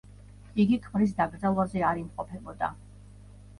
იგი ქმრის დაკრძალვაზე არ იმყოფებოდა.